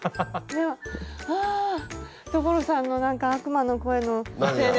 いやあ所さんのなんか悪魔の声のせいで。